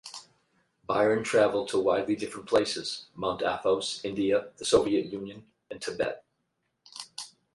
Byron travelled to widely different places; Mount Athos, India, the Soviet Union, and Tibet.